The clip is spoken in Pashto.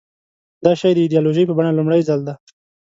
دا شی د ایدیالوژۍ په بڼه لومړي ځل ده.